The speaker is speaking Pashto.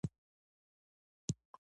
قوم پالنه اداره ولې کمزورې کوي؟